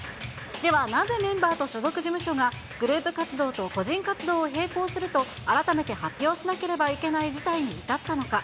では、なぜメンバーと所属事務所がグループ活動と個人活動を並行すると、改めて発表しなければいけない事態に至ったのか。